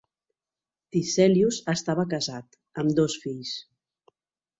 Tiselius estava casat, amb dos fills.